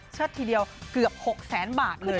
เชิดทีเดียวเกือบ๖แสนบาทเลย